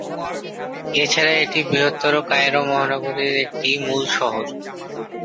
এছাড়া এটি বৃহত্তর কায়রো মহানগরীর একটি মূল শহর।